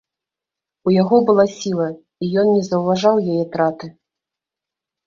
У яго была сіла, і ён не заўважаў яе траты.